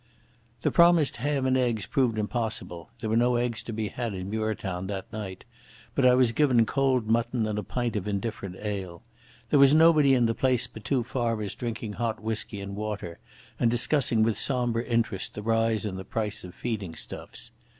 The promised ham and eggs proved impossible—there were no eggs to be had in Muirtown that night—but I was given cold mutton and a pint of indifferent ale. There was nobody in the place but two farmers drinking hot whisky and water and discussing with sombre interest the rise in the price of feeding stuffs.